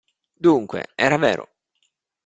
Dunque, era vero!